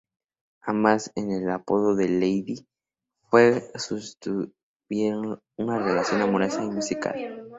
Ambas con el apodo de "Lady" fue como sostuvieron una relación amorosa y musical.